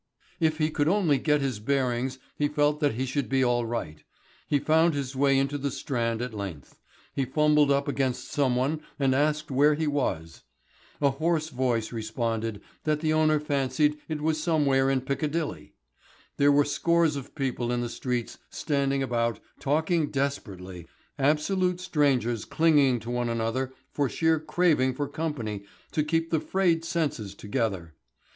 If he could only get his bearings he felt that he should be all right. He found his way into the Strand at length; he fumbled up against someone and asked where he was. A hoarse voice responded that the owner fancied it was somewhere in Piccadilly. There were scores of people in the streets standing about talking desperately, absolute strangers clinging to one another for sheer craving for company to keep the frayed senses together.